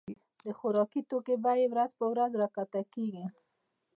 د خوراکي توکو بيي ورځ په ورځ را کښته کيږي.